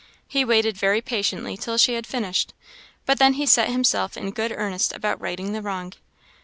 He waited very patiently till she had finished; but then he set himself in good earnest about righting the wrong.